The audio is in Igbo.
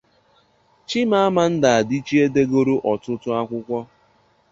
Chimamanda Adịchie degoro ọtụtụ akwụkwọ